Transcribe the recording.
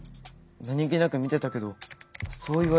何気なく見てたけどそう言われると。